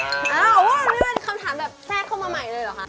อ้าวว่าเลื่อนคำถามแบบแทรกเข้ามาใหม่เลยเหรอคะ